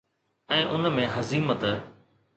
۽ ان ۾ حزيمت